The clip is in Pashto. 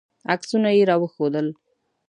عکسونه یې راوښودل.